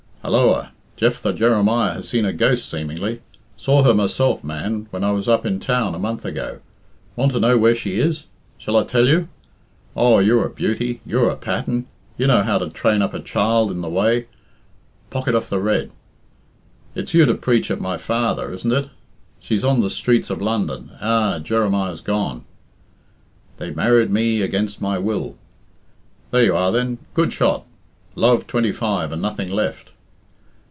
Halloa! Jephthah Jeremiah has seen a ghost seemingly. Saw her myself, man, when I was up in town a month ago. Want to know where she is? Shall I tell you? Oh, you're a beauty! You're a pattern! You know how to train up a child in the way Pocket off the red It's you to preach at my father, isn't it? She's on the streets of London ah, Jeremiah's gone 'They married me against my will ' There you are, then good shot love twenty five and nothing left."